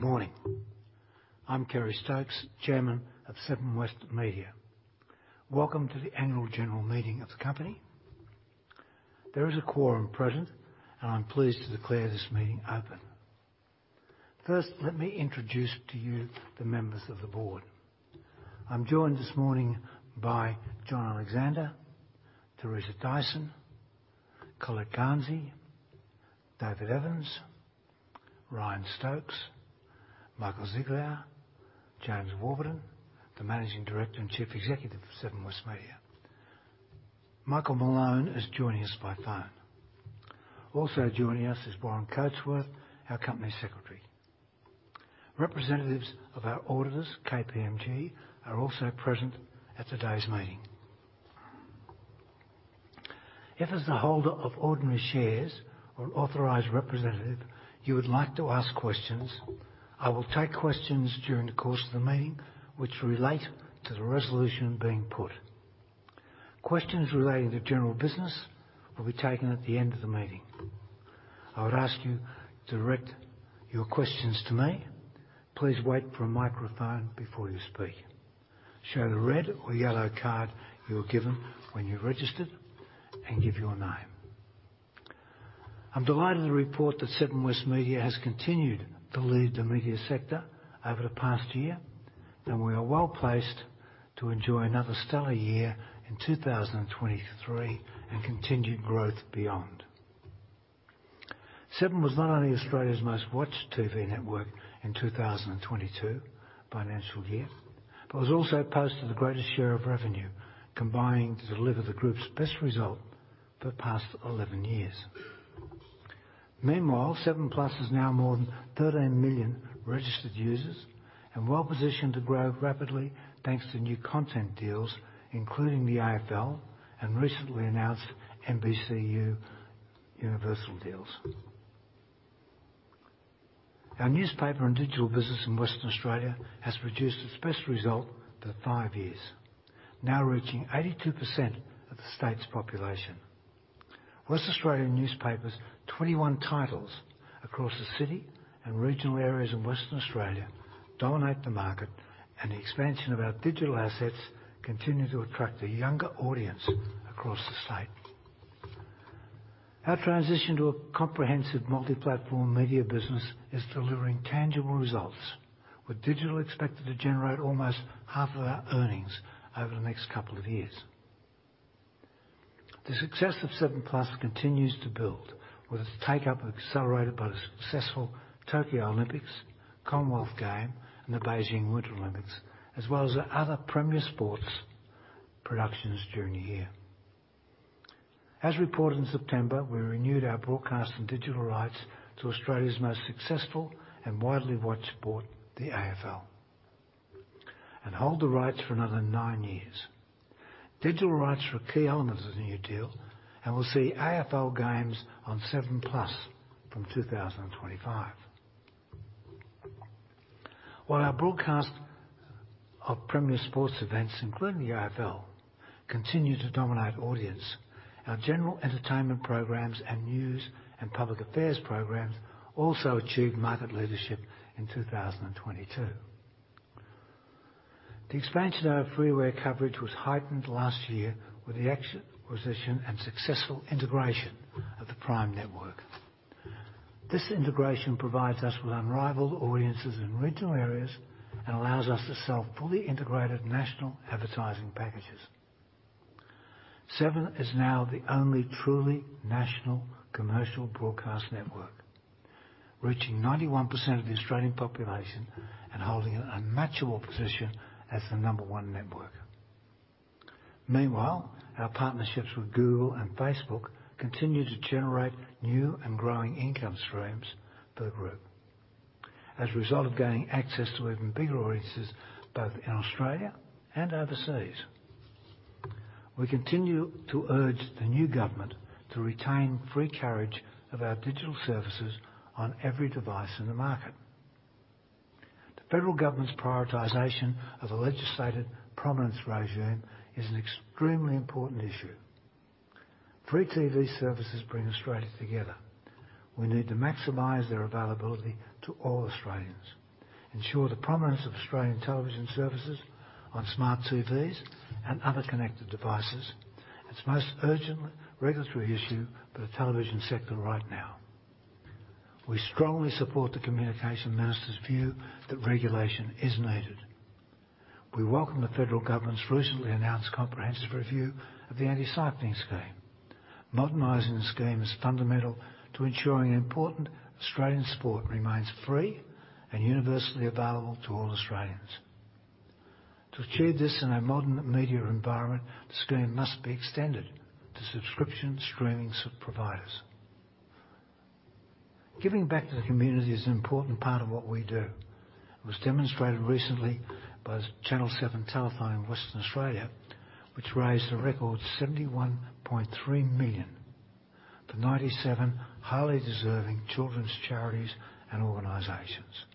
Good morning. I'm Kerry Stokes, Chairman of Seven West Media. Welcome to the Annual General Meeting of the company. There is a quorum present, and I'm pleased to declare this meeting open. First, let me introduce to you the members of the board. I'm joined this morning by John Alexander, Teresa Dyson, Colette Garnsey, David Evans, Ryan Stokes, Michael Ziegelaar, James Warburton, the Managing Director and Chief Executive of Seven West Media. Michael Malone is joining us by phone. Also joining us is Warren Coatsworth, our company secretary. Representatives of our auditors, KPMG, are also present at today's meeting. If as a holder of ordinary shares or authorized representative, you would like to ask questions, I will take questions during the course of the meeting which relate to the resolution being put. Questions relating to general business will be taken at the end of the meeting. I would ask you to direct your questions to me. Please wait for a microphone before you speak. Show the red or yellow card you were given when you registered and give your name. I'm delighted to report that Seven West Media has continued to lead the media sector over the past year, and we are well-placed to enjoy another stellar year in 2023 and continued growth beyond. Seven was not only Australia's most watched TV network in 2022 financial year, but has also posted the greatest share of revenue, combining to deliver the group's best result for the past 11-years. Meanwhile, 7plus has now more than 13 million registered users and well-positioned to grow rapidly, thanks to new content deals including the AFL and recently announced NBCUniversal deals. Our newspaper and digital business in Western Australia has produced its best result for five years, now reaching 82% of the state's population. The West Australian's 21 titles across the city and regional areas in Western Australia dominate the market, and the expansion of our digital assets continue to attract a younger audience across the state. Our transition to a comprehensive multi-platform media business is delivering tangible results, with digital expected to generate almost half of our earnings over the next couple of years. The success of 7plus continues to build, with its take-up accelerated by the successful Tokyo Olympics, Commonwealth Games and the Beijing Winter Olympics, as well as the other premier sports productions during the year. As reported in September, we renewed our broadcast and digital rights to Australia's most successful and widely watched sport, the AFL, and hold the rights for another nine years. Digital rights were a key element of the new deal, and we'll see AFL games on 7plus from 2025. While our broadcast of premier sports events, including the AFL, continue to dominate audience, our general entertainment programs and news and public affairs programs also achieved market leadership in 2022. The expansion of our free-to-air coverage was heightened last year with the acquisition and successful integration of the Prime network. This integration provides us with unrivaled audiences in regional areas and allows us to sell fully integrated national advertising packages. Seven is now the only truly national commercial broadcast network, reaching 91% of the Australian population and holding an unmatchable position as the number one network. Meanwhile, our partnerships with Google and Facebook continue to generate new and growing income streams for the group. As a result of gaining access to even bigger audiences, both in Australia and overseas, we continue to urge the new government to retain free carriage of our digital services on every device in the market. The federal government's prioritization of a legislated prominence regime is an extremely important issue. Free TV services bring Australia together. We need to maximize their availability to all Australians, ensure the prominence of Australian television services on smart TVs and other connected devices. It's the most urgent regulatory issue for the television sector right now. We strongly support the Communications Minister's view that regulation is needed. We welcome the federal government's recently announced comprehensive review of the anti-siphoning scheme. Modernizing the scheme is fundamental to ensuring important Australian sport remains free and universally available to all Australians. To achieve this in a modern media environment, the scheme must be extended to subscription streaming service providers. Giving back to the community is an important part of what we do. It was demonstrated recently by Channel Seven Telethon in Western Australia, which raised a record 71.3 million for 97 highly deserving children's charities and organizations.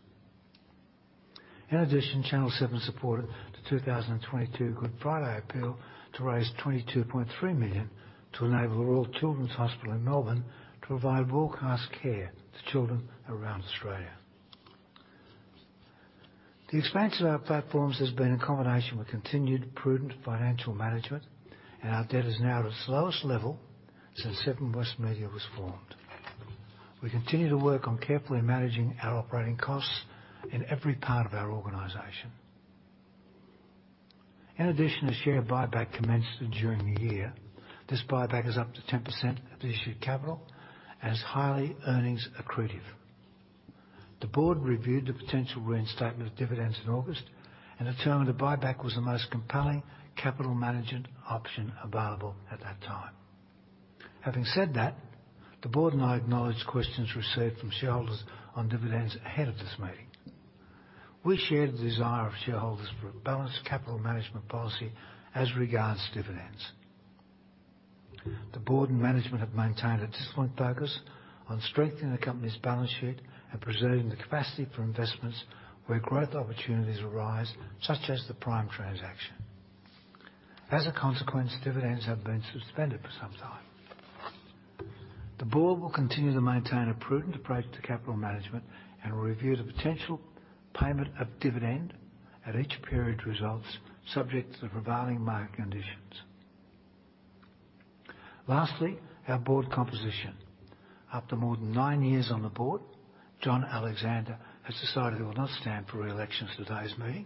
In addition, Channel Seven supported the 2022 Good Friday Appeal to raise 22.3 million to enable The Royal Children's Hospital in Melbourne to provide world-class care to children around Australia. The expansion of our platforms has been in combination with continued prudent financial management, and our debt is now at its lowest level since Seven West Media was formed. We continue to work on carefully managing our operating costs in every part of our organization. In addition, a share buyback commenced during the year. This buyback is up to 10% of the issued capital, as highly earnings accretive. The board reviewed the potential reinstatement of dividends in August, and determined a buyback was the most compelling capital management option available at that time. Having said that, the board and I acknowledge questions received from shareholders on dividends ahead of this meeting. We share the desire of shareholders for a balanced capital management policy as regards to dividends. The board and management have maintained a disciplined focus on strengthening the company's balance sheet and preserving the capacity for investments where growth opportunities arise, such as the Prime transaction. As a consequence, dividends have been suspended for some time. The board will continue to maintain a prudent approach to capital management and will review the potential payment of dividend at each period results, subject to the prevailing market conditions. Lastly, our board composition. After more than nine years on the board, John Alexander has decided he will not stand for re-election at today's meeting.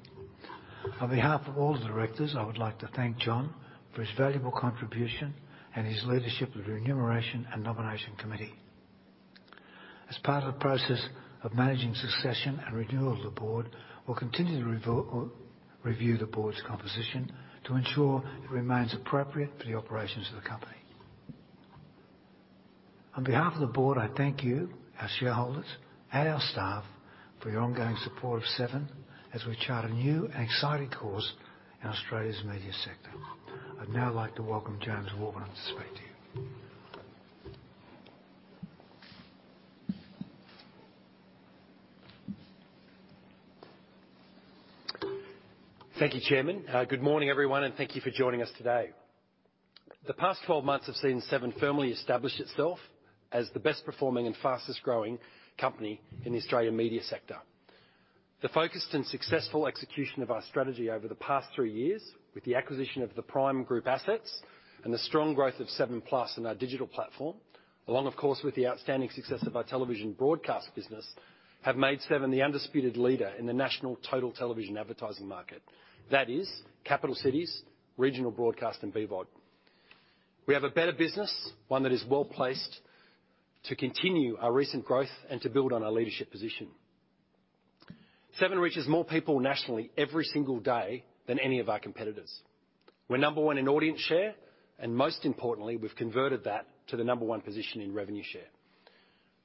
On behalf of all the directors, I would like to thank John for his valuable contribution and his leadership of the Remuneration and Nomination Committee. As part of the process of managing succession and renewal of the board, we'll continue to review the board's composition to ensure it remains appropriate for the operations of the company. On behalf of the board, I thank you, our shareholders, and our staff for your ongoing support of Seven as we chart a new and exciting course in Australia's media sector. I'd now like to welcome James Warburton up to speak to you. Thank you, Chairman. Good morning, everyone, and thank you for joining us today. The past 12-months have seen Seven firmly establish itself as the best performing and fastest growing company in the Australian media sector. The focused and successful execution of our strategy over the past three years with the acquisition of the Prime Media Group assets and the strong growth of 7plus in our digital platform, along, of course, with the outstanding success of our television broadcast business, have made Seven the undisputed leader in the national total television advertising market. That is capital cities, regional broadcast, and BVOD. We have a better business, one that is well-placed to continue our recent growth and to build on our leadership position. Seven reaches more people nationally every single day than any of our competitors. We're number one in audience share, and most importantly, we've converted that to the number one position in revenue share.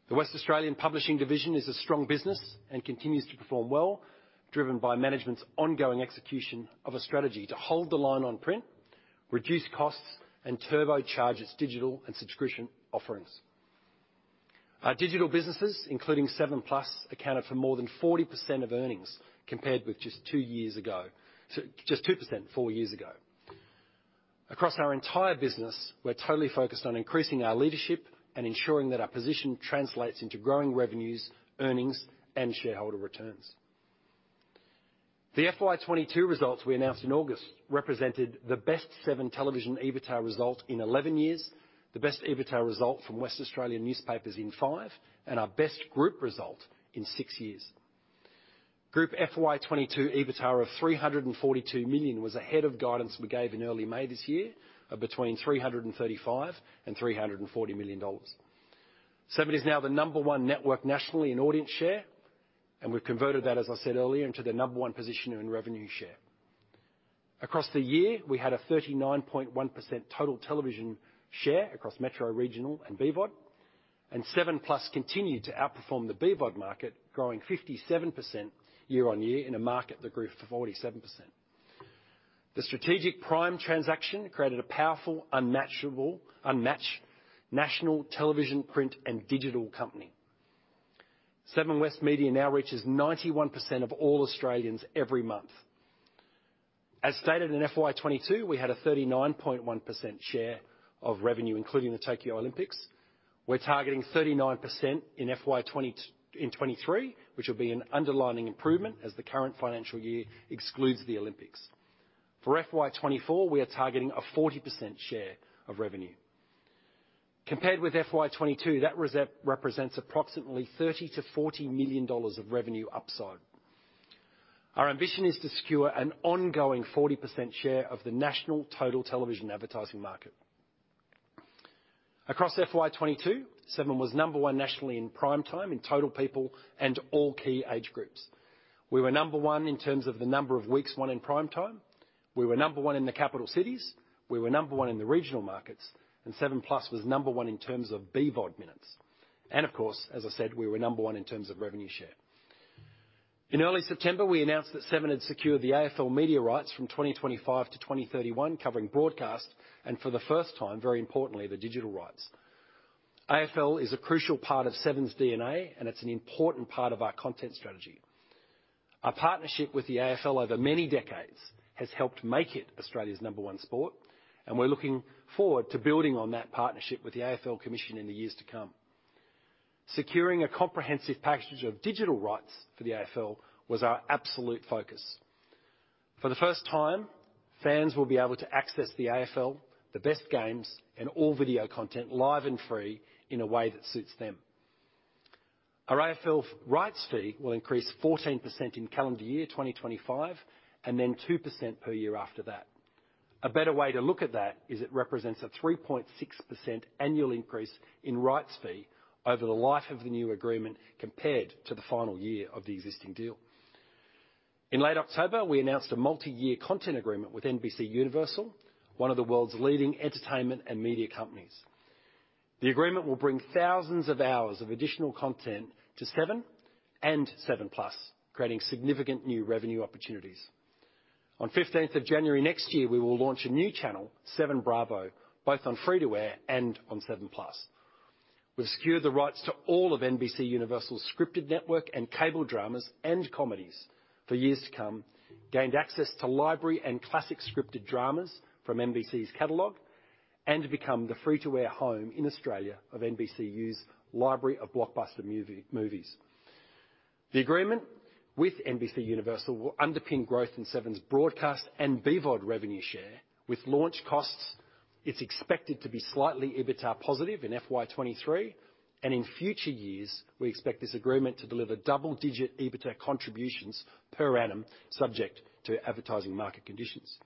The West Australian publishing division is a strong business and continues to perform well, driven by management's ongoing execution of a strategy to hold the line on print, reduce costs, and turbocharge its digital and subscription offerings. Our digital businesses, including 7plus, accounted for more than 40% of earnings compared with just 2% four years ago. Across our entire business, we're totally focused on increasing our leadership and ensuring that our position translates into growing revenues, earnings, and shareholder returns. The FY 2022 results we announced in August represented the best Seven television EBITDA result in 11-years, the best EBITDA result from West Australian newspapers in five, and our best group result in six years. Group FY 2022 EBITDA of 342 million was ahead of guidance we gave in early May this year of between 335 million and 340 million dollars. Seven is now the number one network nationally in audience share, and we've converted that, as I said earlier, into the number one position in revenue share. Across the year, we had a 39.1% total television share across metro, regional, and BVOD, and 7plus continued to outperform the BVOD market, growing 57% year-on-year in a market that grew 47%. The strategic Prime transaction created a powerful, unmatched national television, print, and digital company. Seven West Media now reaches 91% of all Australians every month. As stated in FY 2022, we had a 39.1% share of revenue, including the Tokyo Olympics. We're targeting 39% in FY 2023, which will be an underlying improvement as the current financial year excludes the Olympics. For FY 2024, we are targeting a 40% share of revenue. Compared with FY 2022, that represents approximately 30 million-40 million dollars of revenue upside. Our ambition is to secure an ongoing 40% share of the national total television advertising market. Across FY 2022, Seven was number one nationally in prime time in total people and all key age groups. We were number one in terms of the number of weeks won in prime time. We were number one in the capital cities. We were number one in the regional markets, and 7plus was number one in terms of BVOD minutes. Of course, as I said, we were number one in terms of revenue share. In early September, we announced that Seven had secured the AFL media rights from 2025-2031, covering broadcast, and for the first time, very importantly, the digital rights. AFL is a crucial part of Seven's DNA, and it's an important part of our content strategy. Our partnership with the AFL over many decades has helped make it Australia's number one sport, and we're looking forward to building on that partnership with the AFL Commission in the years to come. Securing a comprehensive package of digital rights for the AFL was our absolute focus. For the first time, fans will be able to access the AFL, the best games, and all video content live and free in a way that suits them. Our AFL rights fee will increase 14% in calendar year 2025, and then 2% per year after that. A better way to look at that is it represents a 3.6% annual increase in rights fee over the life of the new agreement compared to the final year of the existing deal. In late October, we announced a multi-year content agreement with NBCUniversal, one of the world's leading entertainment and media companies. The agreement will bring thousands of hours of additional content to Seven and 7plus, creating significant new revenue opportunities. On 15th of January next year, we will launch a new channel, 7Bravo, both on free-to-air and on 7plus. We've secured the rights to all of NBCUniversal's scripted network and cable dramas and comedies for years to come, gained access to library and classic scripted dramas from NBC's catalog, and have become the free-to-air home in Australia of NBCU's library of blockbuster movies. The agreement with NBCUniversal will underpin growth in Seven's broadcast and BVOD revenue share. With launch costs, it's expected to be slightly EBITDA positive in FY 2023, and in future years, we expect this agreement to deliver double-digit EBITDA contributions per annum, subject to advertising market conditions.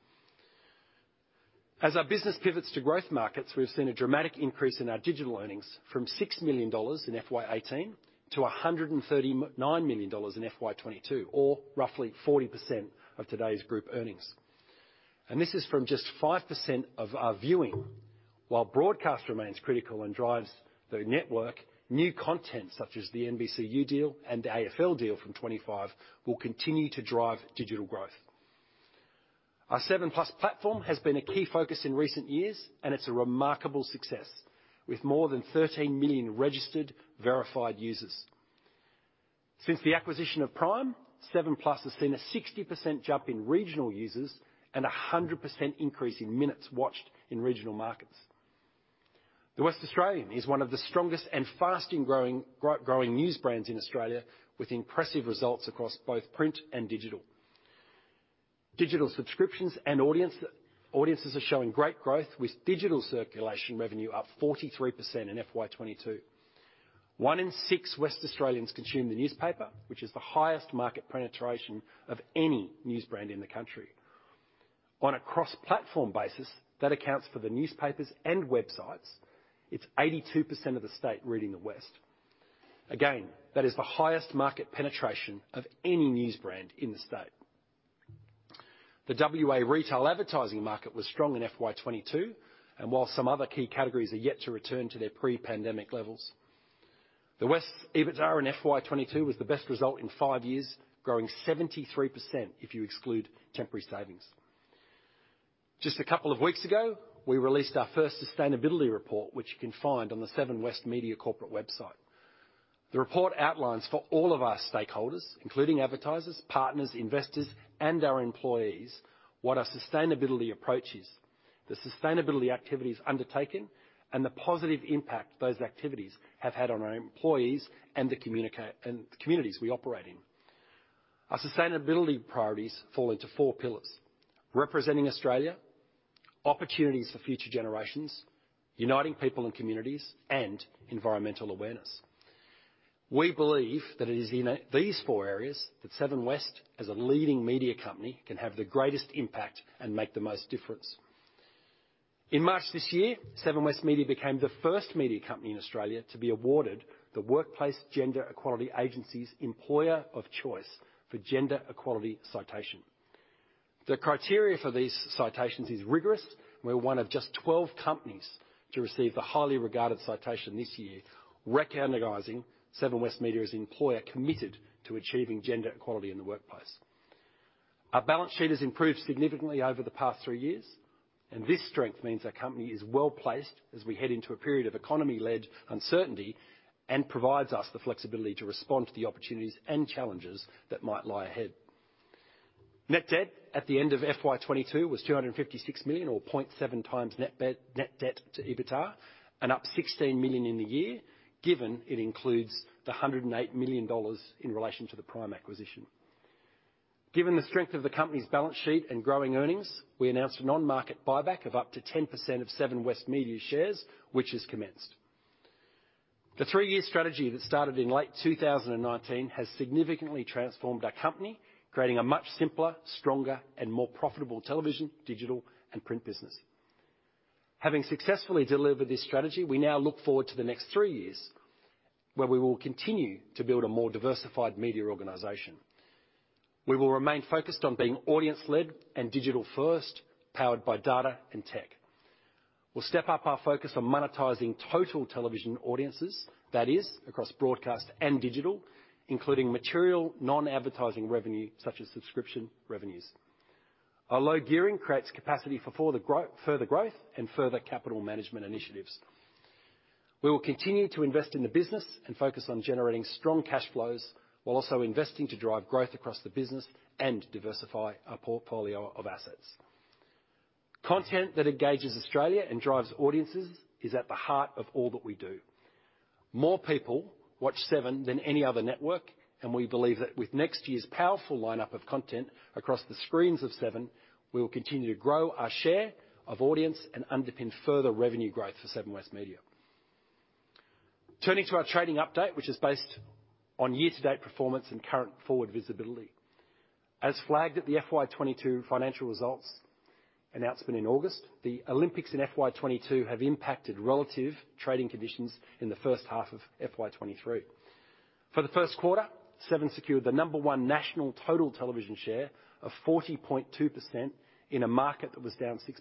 As our business pivots to growth markets, we've seen a dramatic increase in our digital earnings from 6 million dollars in FY 2018 to 139 million dollars in FY 2022, or roughly 40% of today's group earnings. This is from just 5% of our viewing. While broadcast remains critical and drives the network, new content such as the NBCU deal and the AFL deal from 2025 will continue to drive digital growth. Our 7plus platform has been a key focus in recent years, and it's a remarkable success with more than 13 million registered verified users. Since the acquisition of Prime, 7plus has seen a 60% jump in regional users and a 100% increase in minutes watched in regional markets. The West Australian is one of the strongest and fastest growing news brands in Australia with impressive results across both print and digital. Digital subscriptions and audiences are showing great growth with digital circulation revenue up 43% in FY 2022. One in six West Australians consume the newspaper, which is the highest market penetration of any news brand in the country. On a cross-platform basis that accounts for the newspapers and websites, it's 82% of the state reading The West. Again, that is the highest market penetration of any news brand in the state. The WA retail advertising market was strong in FY 2022, and while some other key categories are yet to return to their pre-pandemic levels, The West's EBITDA in FY 2022 was the best result in five years, growing 73% if you exclude temporary savings. Just a couple of weeks ago, we released our first sustainability report, which you can find on the Seven West Media corporate website. The report outlines for all of our stakeholders, including advertisers, partners, investors, and our employees, what our sustainability approach is, the sustainability activities undertaken, and the positive impact those activities have had on our employees and the communities we operate in. Our sustainability priorities fall into four pillars, representing Australia, opportunities for future generations, uniting people and communities, and environmental awareness. We believe that it is in these four areas that Seven West, as a leading media company, can have the greatest impact and make the most difference. In March this year, Seven West Media became the first media company in Australia to be awarded the Workplace Gender Equality Agency's Employer of Choice for Gender Equality citation. The criteria for these citations is rigorous. We're one of just 12-companies to receive the highly regarded citation this year, recognizing Seven West Media as an employer committed to achieving gender equality in the workplace. Our balance sheet has improved significantly over the past three years, and this strength means our company is well-placed as we head into a period of economy-led uncertainty and provides us the flexibility to respond to the opportunities and challenges that might lie ahead. Net debt at the end of FY 2022 was 256 million or 0.7x net debt to EBITDA and up 16 million in the year, given it includes the 108 million dollars in relation to the Prime acquisition. Given the strength of the company's balance sheet and growing earnings, we announced an on-market buyback of up to 10% of Seven West Media's shares, which has commenced. The three year strategy that started in late 2019 has significantly transformed our company, creating a much simpler, stronger, and more profitable television, digital, and print business. Having successfully delivered this strategy, we now look forward to the next three years where we will continue to build a more diversified media organization. We will remain focused on being audience-led and digital first, powered by data and tech. We'll step up our focus on monetizing total television audiences, that is, across broadcast and digital, including material non-advertising revenue such as subscription revenues. Our low gearing creates capacity for further growth and further capital management initiatives. We will continue to invest in the business and focus on generating strong cash flows while also investing to drive growth across the business and diversify our portfolio of assets. Content that engages Australia and drives audiences is at the heart of all that we do. More people watch Seven than any other network, and we believe that with next year's powerful lineup of content across the screens of Seven, we will continue to grow our share of audience and underpin further revenue growth for Seven West Media. Turning to our trading update, which is based on year-to-date performance and current forward visibility. As flagged at the FY 2022 financial results announcement in August, the Olympics and FY 2022 have impacted relative trading conditions in the first half of FY 2023. For the first quarter, Seven secured the number one national total television share of 40.2% in a market that was down 6%.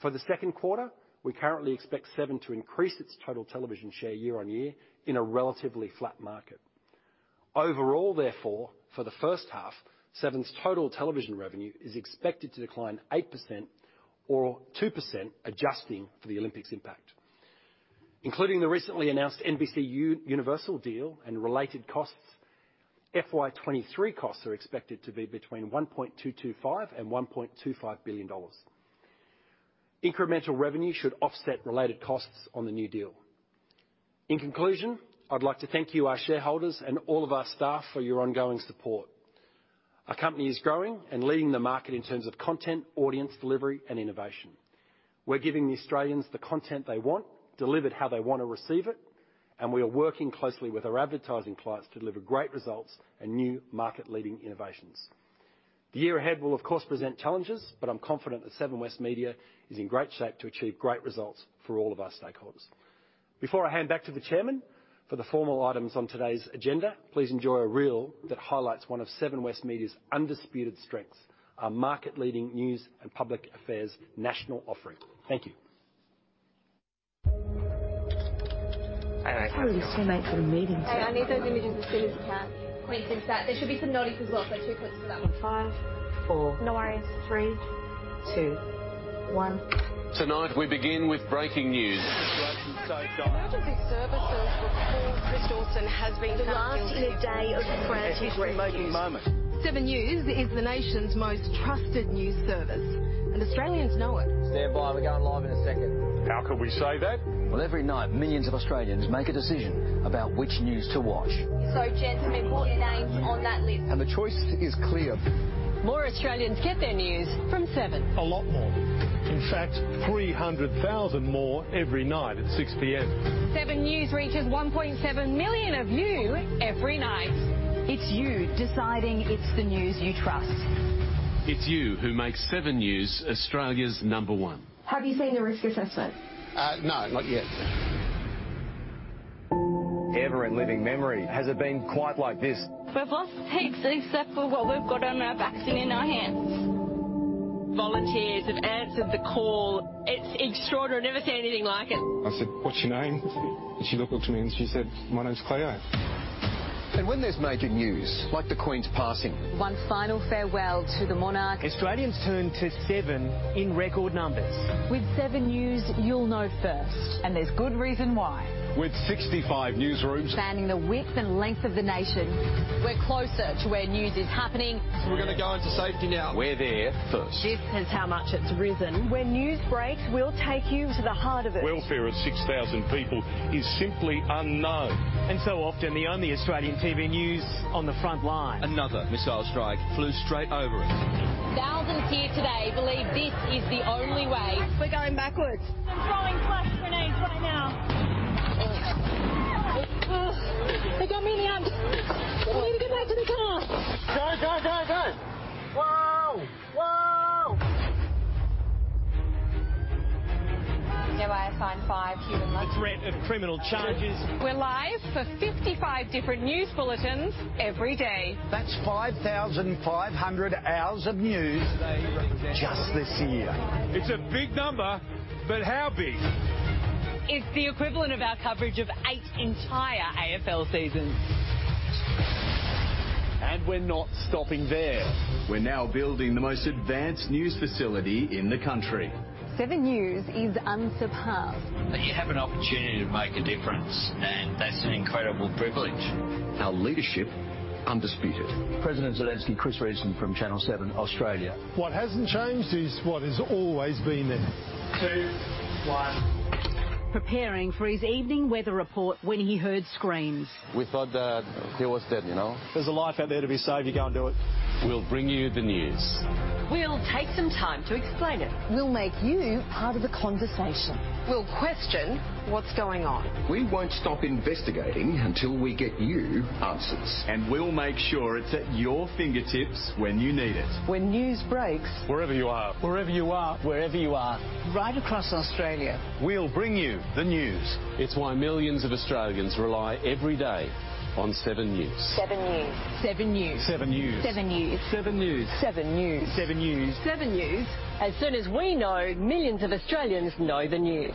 For the second quarter, we currently expect Seven to increase its total television share year-on-year in a relatively flat market. Overall, therefore, for the first half, Seven's total television revenue is expected to decline 8% or 2% adjusting for the Olympics impact. Including the recently announced NBCUniversal deal and related costs, FY 2023 costs are expected to be between 1.225 billion and 1.25 billion dollars. Incremental revenue should offset related costs on the new deal. In conclusion, I'd like to thank you, our shareholders, and all of our staff for your ongoing support. Our company is growing and leading the market in terms of content, audience delivery, and innovation. We're giving the Australians the content they want, delivered how they wanna receive it, and we are working closely with our advertising clients to deliver great results and new market-leading innovations. The year ahead will of course present challenges, but I'm confident that Seven West Media is in great shape to achieve great results for all of our stakeholders. Before I hand back to the Chairman for the formal items on today's agenda, please enjoy a reel that highlights one of Seven West Media's undisputed strengths, our market-leading news and public affairs national offering. Thank you. I know. Sarah, you still made for the meeting today. Hey, I need those images as soon as you can. Queen since that. There should be some notice as well for two clips of that one. Five, four- No worries. Three, two, one. Tonight, we begin with breaking news. The situation's so dark. Emergency services report Chris Dawson has been found guilty. The last in a day of frantic rescues. It's a remarkable moment. 7NEWS is the nation's most trusted news service, and Australians know it. Stand by. We're going live in a second. How could we say that? Well, every night, millions of Australians make a decision about which news to watch. Gents, some important names on that list. The choice is clear. More Australians get their news from Seven. A lot more. In fact, 300,000 more every night at 6:00 P.M. 7NEWS reaches 1.7 million of you every night. It's you deciding it's the news you trust. It's you who makes 7NEWS Australia's number one. Have you seen the risk assessment? No, not yet. Ever in living memory has it been quite like this. We've lost heaps except for what we've got on our backs and in our hands. Volunteers have answered the call. It's extraordinary. I've never seen anything like it. I said, "What's your name?" She looked up to me and she said, "My name's Cleo. When there's major news, like the Queen's passing. One final farewell to the monarch. Australians turn to Seven in record numbers. With 7NEWS, you'll know first, and there's good reason why. With 65 newsrooms. Spanning the width and length of the nation, we're closer to where news is happening. We're gonna go into safety now. We're there first. This is how much it's risen. When news breaks, we'll take you to the heart of it. Welfare of 6,000 people is simply unknown. Often, the only Australian TV news on the front line. Another missile strike flew straight over us. Thousands here today believe this is the only way. We're going backwards. They're throwing flash grenades right now. They got me in the arm. We need to get back to the car. Go, go, go. Whoa. Whoa. The threat of criminal charges. We're live for 55 different news bulletins every day. That's 5,500 hours of news just this year. It's a big number, but how big? It's the equivalent of our coverage of eight entire AFL seasons. We're not stopping there. We're now building the most advanced news facility in the country. 7NEWS is unsurpassed. You have an opportunity to make a difference, and that's an incredible privilege. Our leadership, undisputed. President Zelenskyy, Chris Reason from Channel Seven Australia. What hasn't changed is what has always been there. Two, one. Preparing for his evening weather report when he heard screams. We thought that he was dead, you know? There's a life out there to be saved, you go and do it. We'll bring you the news. We'll take some time to explain it. We'll make you part of the conversation. We'll question what's going on. We won't stop investigating until we get you answers. We'll make sure it's at your fingertips when you need it. When news breaks. Wherever you are. Wherever you are. Wherever you are. Right across Australia. We'll bring you the news. It's why millions of Australians rely every day on 7NEWS. 7NEWS. 7NEWS. 7NEWS. 7NEWS. 7NEWS. 7News. 7News. As soon as we know, millions of Australians know the news.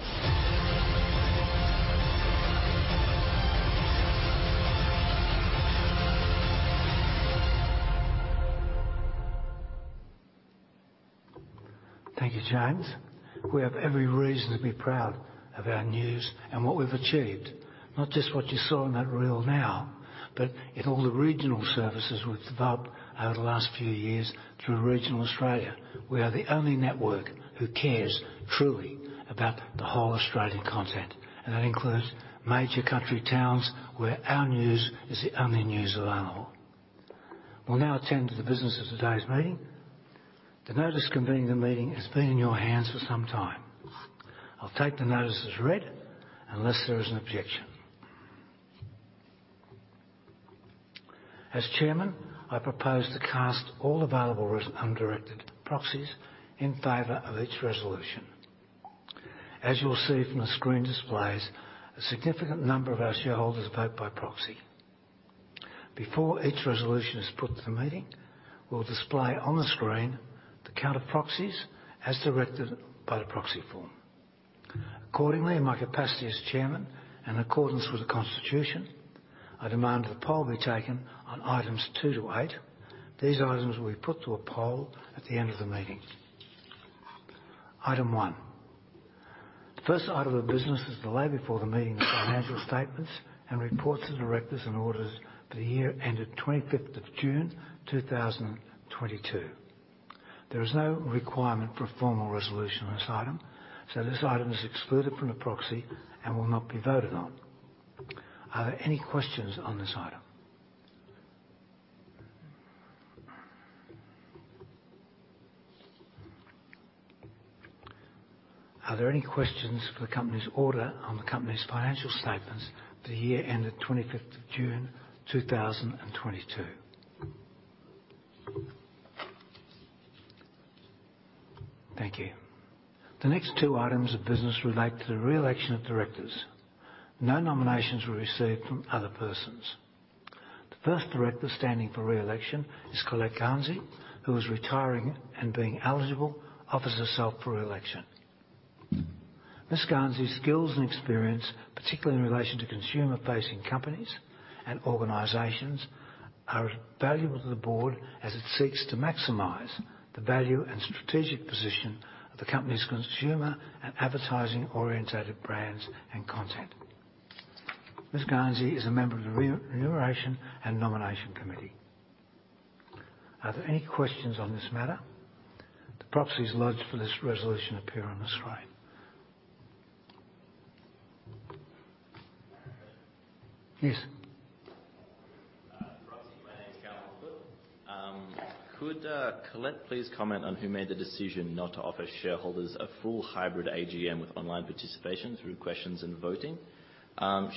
Thank you, James. We have every reason to be proud of our news and what we've achieved. Not just what you saw in that reel now, but in all the regional services we've developed over the last few years throughout regional Australia. We are the only network who cares truly about the whole Australian content, and that includes major country towns where our news is the only news available. We'll now attend to the business of today's meeting. The notice convening the meeting has been in your hands for some time. I'll take the notice as read, unless there is an objection. As Chairman, I propose to cast all available undirected proxies in favor of each resolution. As you will see from the screen displays, a significant number of our shareholders vote by proxy. Before each resolution is put to the meeting, we'll display on the screen the count of proxies as directed by the proxy form. Accordingly, in my capacity as chairman, in accordance with the Constitution, I demand that a poll be taken on items two to eight. These items will be put to a poll at the end of the meeting. Item one. The first item of business is to lay before the meeting financial statements and reports of the directors and auditors for the year ended 25th of June, 2022. There is no requirement for a formal resolution on this item, so this item is excluded from the proxy and will not be voted on. Are there any questions on this item? Are there any questions for the company's auditor on the company's financial statements for the year ended 25th of June, 2022? Thank you. The next two items of business relate to the reelection of directors. No nominations were received from other persons. The first director standing for reelection is Colette Garnsey, who is retiring and, being eligible, offers herself for reelection. Ms. Garnsey's skills and experience, particularly in relation to consumer-facing companies and organizations, are valuable to the board as it seeks to maximize the value and strategic position of the company's consumer and advertising-oriented brands and content. Ms. Garnsey is a member of the Remuneration & Nomination Committee. Are there any questions on this matter? The proxies lodged for this resolution appear on the screen. Yes. Proxy. My name is Gavin McClune. Could Colette please comment on who made the decision not to offer shareholders a full hybrid AGM with online participation through questions and voting?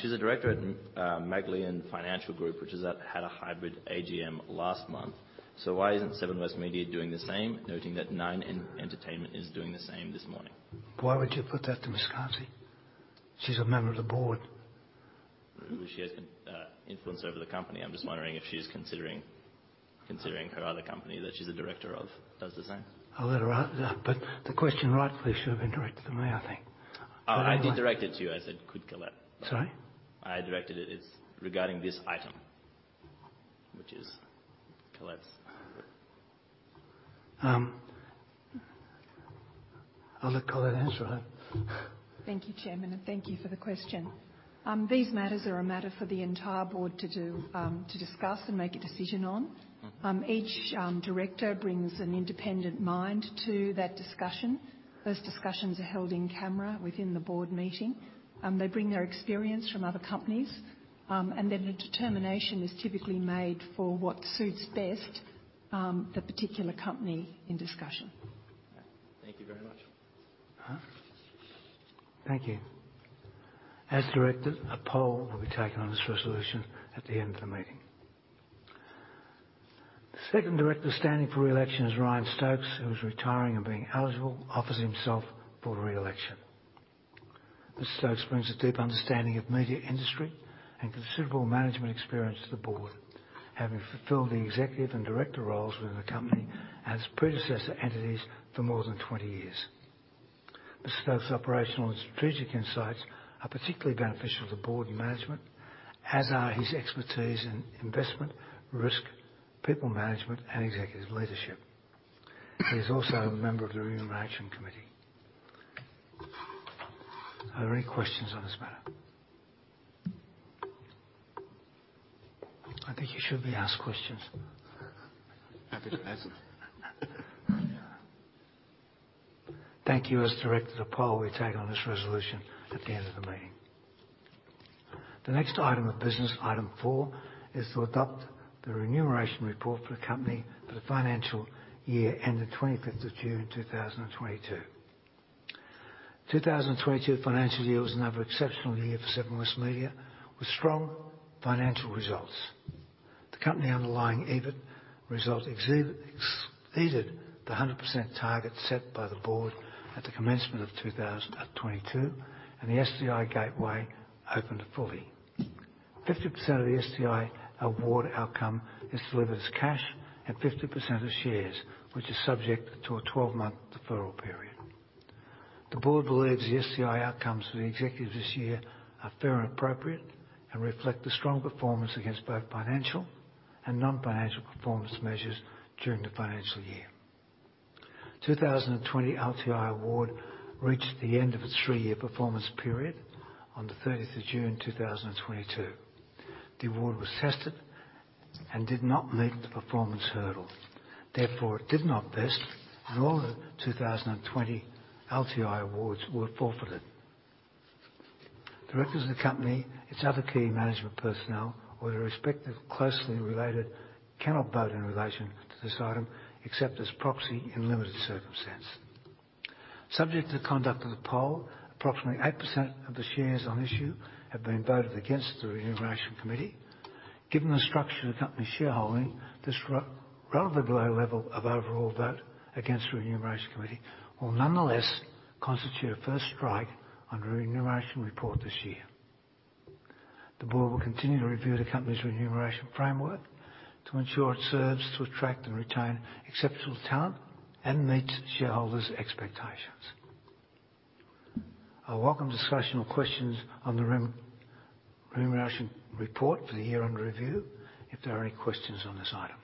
She's a director at Magellan Financial Group, which had a hybrid AGM last month. Why isn't Seven West Media doing the same? Noting that Nine Entertainment is doing the same this morning. Why would you put that to Ms. Garnsey? She's a member of the board. She has influence over the company. I'm just wondering if she's considering her other company that she's a director of does the same. The question rightfully should have been directed to me, I think. I did direct it to you. I said, "Could Colette? Sorry? I directed it as regarding this item. Which is Colette's. I'll let Colette answer that. Thank you, Chairman, and thank you for the question. These matters are a matter for the entire board to do to discuss and make a decision on. Each director brings an independent mind to that discussion. Those discussions are held in camera within the board meeting. They bring their experience from other companies, and then a determination is typically made for what suits best the particular company in discussion. Thank you very much. Thank you. As directed, a poll will be taken on this resolution at the end of the meeting. The second director standing for reelection is Ryan Stokes, who is retiring and being eligible, offers himself for reelection. Mr. Stokes brings a deep understanding of media industry and considerable management experience to the board, having fulfilled the executive and director roles within the company as predecessor entities for more than 20-years. Mr. Stokes' operational and strategic insights are particularly beneficial to board and management, as are his expertise in investment, risk, people management, and executive leadership. He is also a member of the Remuneration Committee. Are there any questions on this matter? I think you should be asked questions. Happy to answer. Thank you. As directed, a poll will be taken on this resolution at the end of the meeting. The next item of business, item four, is to adopt the remuneration report for the company for the financial year ended 25th of June, 2022. 2022 financial year was another exceptional year for Seven West Media with strong financial results. The company underlying EBIT result exceeded the 100% target set by the board at the commencement of 2022, and the STI gateway opened fully. 50% of the STI award outcome is delivered as cash and 50% as shares, which is subject to a 12-month deferral period. The board believes the STI outcomes for the executives this year are fair and appropriate and reflect the strong performance against both financial and non-financial performance measures during the financial year. 2020 LTI award reached the end of its three-year performance period on the 30th of June, 2022. The award was tested and did not meet the performance hurdle. Therefore, it did not vest and all the 2020 LTI awards were forfeited. Directors of the company, its other key management personnel or their respective closely related cannot vote in relation to this item, except as proxy in limited circumstance. Subject to the conduct of the poll, approximately 8% of the shares on issue have been voted against the Remuneration Committee. Given the structure of the company's shareholding, this relatively low level of overall vote against the Remuneration Committee will nonetheless constitute a first strike on the remuneration report this year. The board will continue to review the company's remuneration framework to ensure it serves to attract and retain exceptional talent and meets shareholders' expectations. I welcome discussion or questions on the remuneration report for the year under review. If there are any questions on this item.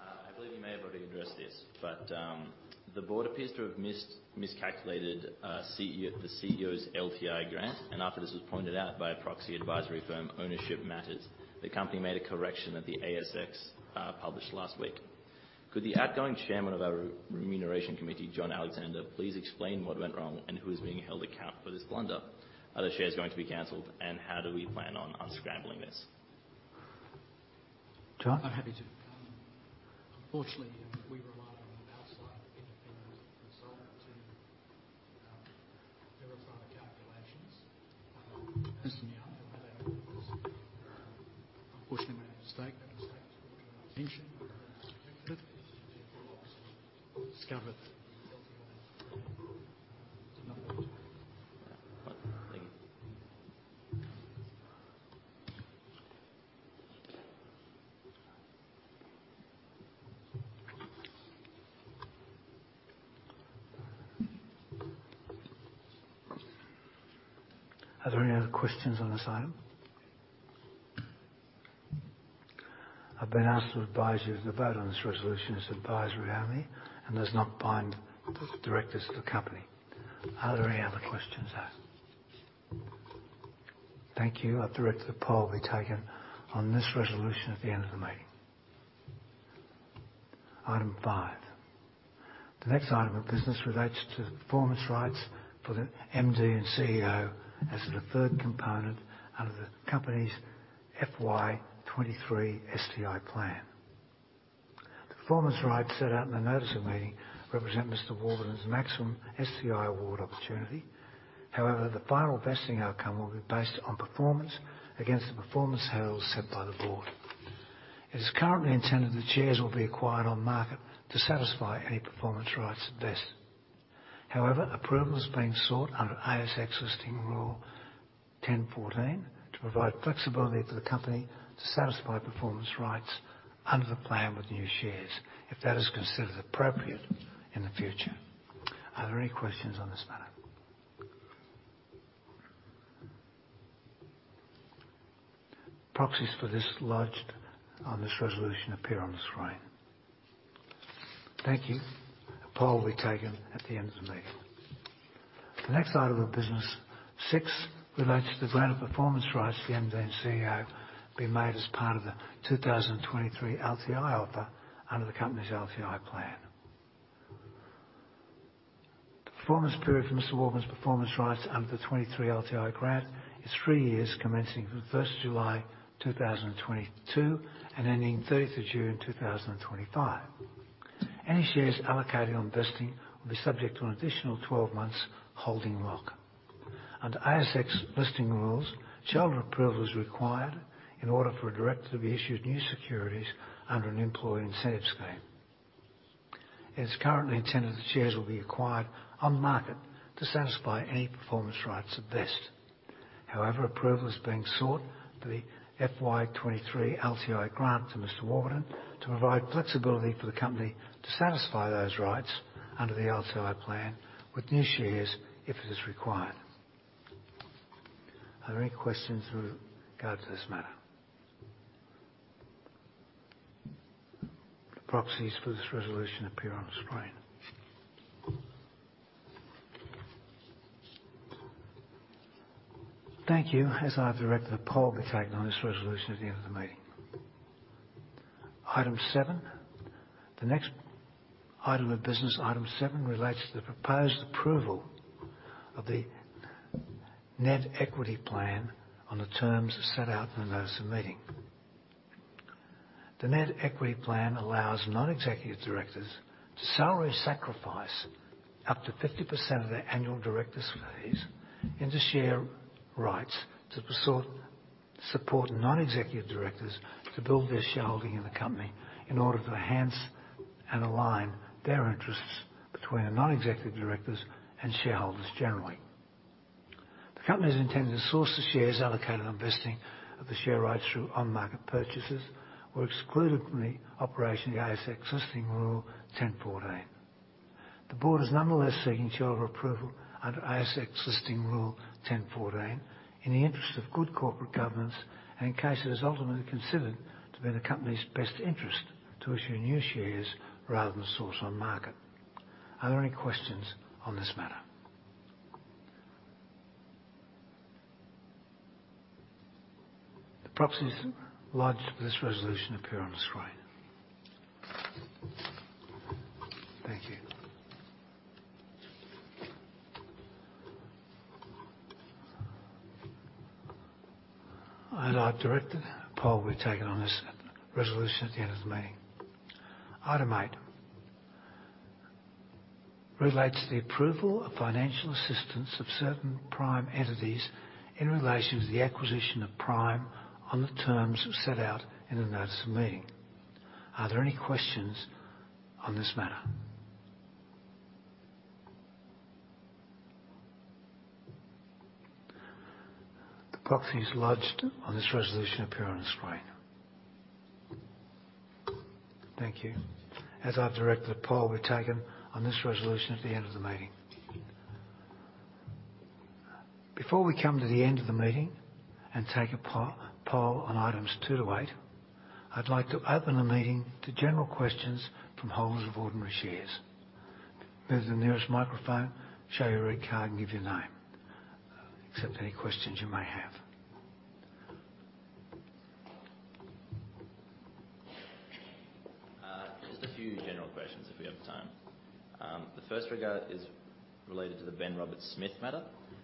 I believe you may have already addressed this, but the board appears to have miscalculated the CEO's LTI grant, and after this was pointed out by a proxy advisory firm, Ownership Matters, the company made a correction that the ASX published last week. Could the outgoing chairman of our Remuneration Committee, John Alexander, please explain what went wrong and who is being held accountable for this blunder? Are the shares going to be canceled, and how do we plan on unscrambling this? John? I'm happy to. Unfortunately, we relied on an outside independent consultant to verify the calculations. Yes. Unfortunately, a mistake. A mistake discovered. Are there any other questions on this item? I've been asked to advise you that the vote on this resolution is advisory only, and does not bind the directors of the company. Are there any other questions then? Thank you. I'll direct the poll be taken on this resolution at the end of the meeting. Item five. The next item of business relates to the performance rights for the MD and CEO as the third component under the company's FY 2023 STI plan. The performance rights set out in the notice of meeting represent Mr. Warburton's maximum STI award opportunity. However, the final vesting outcome will be based on performance against the performance hurdles set by the board. It is currently intended that shares will be acquired on market to satisfy any performance rights at best. However, approval is being sought under ASX Listing Rule 10.14 to provide flexibility for the company to satisfy performance rights under the plan with new shares, if that is considered appropriate in the future. Are there any questions on this matter? Proxies for this lodged on this resolution appear on the screen. Thank you. A poll will be taken at the end of the meeting. The next item of business six relates to the grant of performance rights to the MD and CEO being made as part of the 2023 LTI offer under the company's LTI plan. The performance period for Mr. Warburton's performance rights under the 2023 LTI grant is three years, commencing from July 1, 2022, and ending June 30, 2025. Any shares allocated on vesting will be subject to an additional 12-months holding lock. Under ASX Listing Rules, shareholder approval is required in order for a director to be issued new securities under an employee incentive scheme. It is currently intended that shares will be acquired on market to satisfy any performance rights at least. However, approval is being sought for the FY 2023 LTI grant to Mr. Warburton to provide flexibility for the company to satisfy those rights under the LTI plan with new shares if it is required. Are there any questions with regard to this matter? The proxies for this resolution appear on the screen. Thank you. As I have directed, a poll will be taken on this resolution at the end of the meeting. Item Seven. The next item of business, item Seven, relates to the proposed approval of the NED equity plan on the terms as set out in the notice of meeting. The NED equity plan allows non-executive directors to salary sacrifice up to 50% of their annual director's fees into share rights to support non-executive directors to build their shareholding in the company in order to enhance and align their interests between the non-executive directors and shareholders generally. The company's intended source of shares allocated on vesting of the share rights through on-market purchases was excluded from the operation of the ASX Listing Rule 10.14. The board is nonetheless seeking shareholder approval under ASX Listing Rule 10.14 in the interest of good corporate governance and in case it is ultimately considered to be in the company's best interest to issue new shares rather than source on market. Are there any questions on this matter? The proxies lodged for this resolution appear on the screen. Thank you. As I have directed, a poll will be taken on this resolution at the end of the meeting. Item eight relates to the approval of financial assistance of certain Prime entities in relation to the acquisition of Prime on the terms set out in the notice of meeting. Are there any questions on this matter? The proxies lodged on this resolution appear on the screen. Thank you. As I've directed, a poll will be taken on this resolution at the end of the meeting. Before we come to the end of the meeting and take a poll on items two to eight, I'd like to open the meeting to general questions from holders of ordinary shares. Go to the nearest microphone, show your red card, and give your name. I'll accept any questions you may have. Just a few general questions if we have the time. The first regard is related to the Ben Roberts-Smith matter.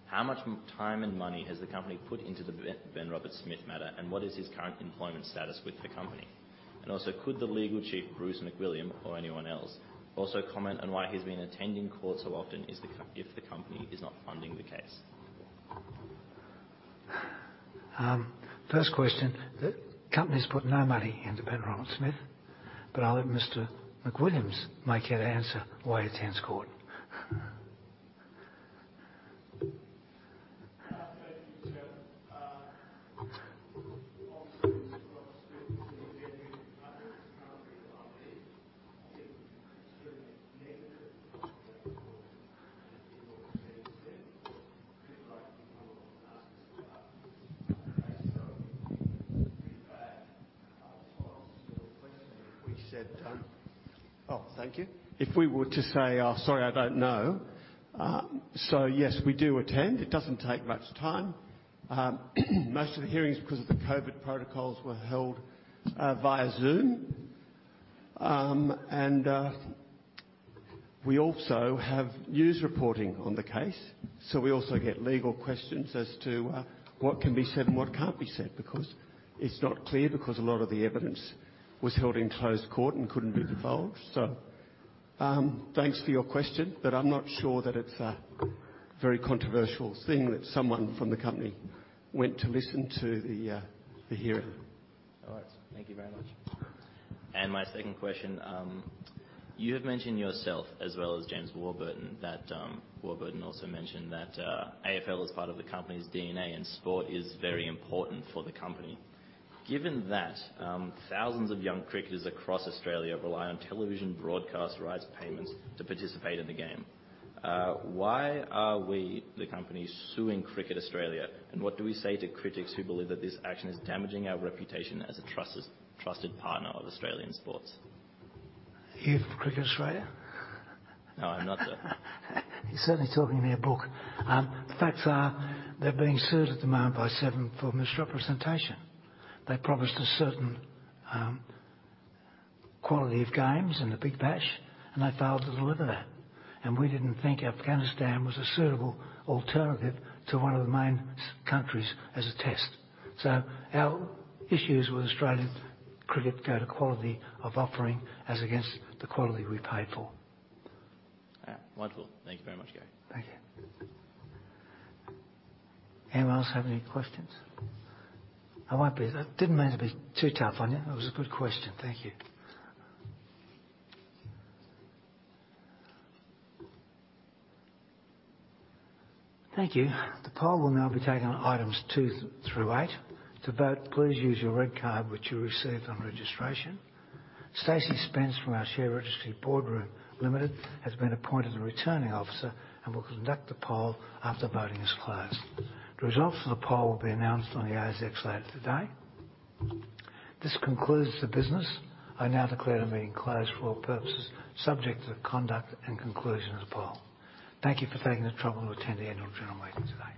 How much time and money has the company put into the Ben Roberts-Smith matter, and what is his current employment status with the company? Also, could the legal chief, Bruce McWilliam, or anyone else, comment on why he's been attending court so often if the company is not funding the case? First question, the company's put no money into Ben Roberts-Smith, but I'll let Mr. McWilliam make out an answer why he attends court. Thank you, Chairman. Obviously, it's not a straightforward answer. It's extremely negative for Ben Roberts-Smith. People like to be able to ask us about this. In response to your question, if we were to say, "Oh, sorry, I don't know." Yes, we do attend. It doesn't take much time. Most of the hearings, because of the COVID protocols, were held via Zoom. We also have news reporting on the case, so we also get legal questions as to what can be said and what can't be said, because it's not clear because a lot of the evidence was held in closed court and couldn't be divulged. Thanks for your question, but I'm not sure that it's a very controversial thing that someone from the company went to listen to the hearing. All right. Thank you very much. My second question, you have mentioned yourself, as well as James Warburton, that Warburton also mentioned that AFL is part of the company's DNA and sport is very important for the company. Given that, thousands of young cricketers across Australia rely on television broadcast rights payments to participate in the game, why are we, the company, suing Cricket Australia? And what do we say to critics who believe that this action is damaging our reputation as a trusted partner of Australian sports? Are you from Cricket Australia? No, I'm not, sir. You're certainly talking their book. The facts are they're being sued at the moment by Seven for misrepresentation. They promised a certain quality of games in the Big Bash, and they failed to deliver that. We didn't think Afghanistan was a suitable alternative to one of the main sub-continent countries as a test. Our issues with Cricket Australia go to quality of offering as against the quality we paid for. All right. Wonderful. Thank you very much, Kerry Stokes. Thank you. Anyone else have any questions? I didn't mean to be too tough on you. It was a good question. Thank you. Thank you. The poll will now be taken on items two through eight. To vote, please use your red card which you received on registration. Stacey Spence from our share registry, Boardroom Limited, has been appointed Returning Officer and will conduct the poll after voting is closed. The results of the poll will be announced on the ASX later today. This concludes the business. I now declare the meeting closed for all purposes, subject to the conduct and conclusion of the poll. Thank you for taking the trouble to attend the annual general meeting today.